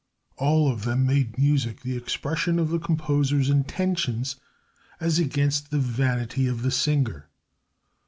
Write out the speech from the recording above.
All of them made music the expression of the composer's intentions as against the vanity of the singer.